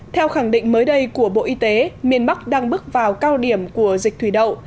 theo khẳng định mới đây của bộ y tế miền bắc đang bước vào cao điểm của dịch thủy đậu